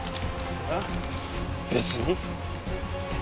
いや別に。